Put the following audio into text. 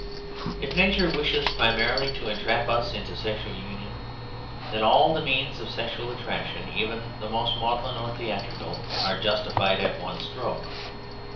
If Nature wishes primarily to entrap us into sexual union, then all the means of sexual attraction, even the most maudlin or theatrical, are justified at one stroke.